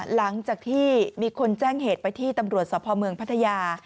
หลังจากที่มีคนแจ้งเหตุไปที่ตำรวจสภเมืองพัทยา